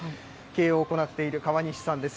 経営を行っている川西さんです。